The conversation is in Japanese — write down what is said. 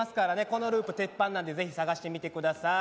このループテッパンなんでぜひ探してみて下さい。